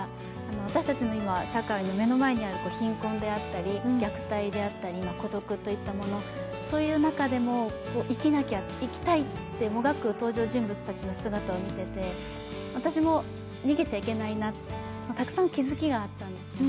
私たちの社会の目の前にある貧困だったり虐待だったり孤独といったものそういう中でも生きなきゃ、生きたいってもがく登場人物たちの姿を見ていて、私も逃げちゃいけないなとたくさん気づきがあったんですよね。